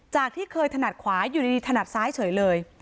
ที่เคยถนัดขวาอยู่ดีถนัดซ้ายเฉยเลย